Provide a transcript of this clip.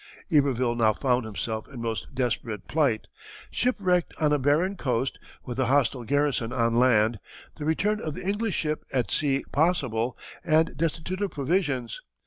Iberville now found himself in most desperate plight shipwrecked on a barren coast, with a hostile garrison on land, the return of the English ship at sea possible, and destitute of provisions.